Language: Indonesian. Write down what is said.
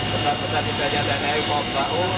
pesawat pesawat tersebut ada dari pop sau